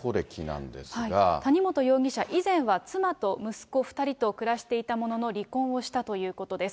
谷本容疑者、以前は妻と息子２人と暮らしていたものの、離婚をしたということです。